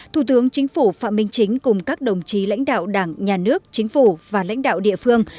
thủ tướng chính phủ phạm minh chính cùng các đồng chí lãnh đạo đảng nhà nước chính phủ và lãnh đạo địa phương